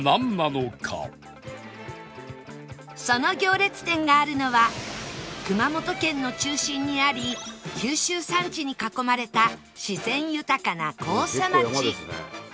その行列店があるのは熊本県の中心にあり九州山地に囲まれた自然豊かな甲佐町